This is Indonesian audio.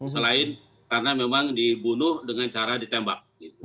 selain karena memang dibunuh dengan cara ditembak